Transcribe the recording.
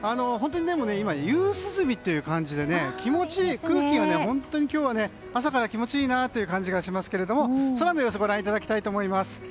今は夕涼みという感じで空気が気持ちよくて朝から気持ちいいなという感じがしますが空の様子ご覧いただきたいと思います。